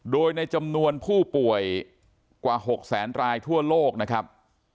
โดยในจำนวนผู้ป่วยกว่า๖แสนรายทั่วโลกนะครับ